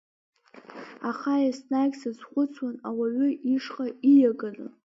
Аха еснагь сазхәыцуан ауаҩы ишҟа ииаганы.